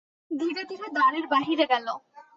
ধীরে ধীরে দ্বারের বাহিরে গেল।